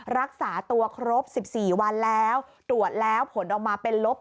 รักษาตัวครบ๑๔วันแล้วตรวจแล้วผลออกมาเป็นลบ